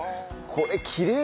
これきれいだよ。